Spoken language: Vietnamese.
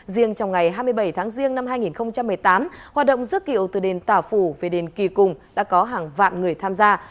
riêng trong ngày hai mươi bảy tháng riêng năm hai nghìn một mươi tám hoạt động dước kiệu từ đền tà phủ về đền kỳ cùng đã có hàng vạn người tham gia